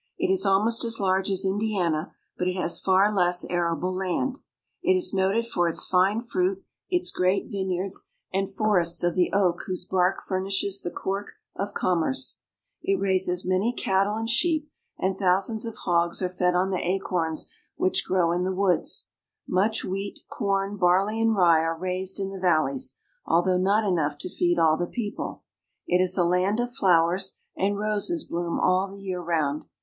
It is almost as large as Indiana, but it has far less arable land. It is noted for its fine fruit, its great vineyards, and forests of the oak whose bark furnishes the cork of commerce. It raises Longitude Greenwich many cattle and sheep, and thousands of hogs are fed on the acorns which grow in the woods. Much wheat, corn, barley, and rye are raised in the valleys, although not enough to feed all the people. It is a land of flowers, and roses bloom all the year round.